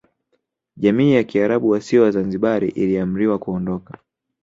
Jamii ya Kiarabu wasio Wazanzibari iliamriwa kuondoka